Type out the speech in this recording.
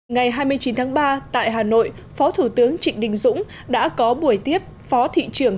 ngày hai mươi chín tháng ba tại hà nội phó thủ tướng trịnh đình dũng đã có buổi tiếp phó thị trưởng